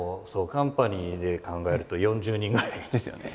カンパニーで考えると４０人ぐらい。ですよね。